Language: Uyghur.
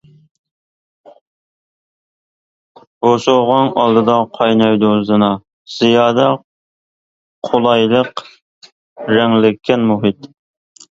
بوسۇغاڭ ئالدىدا قاينايدۇ زىنا، زىيادە قولايلىق، رەڭلىككەن مۇھىت.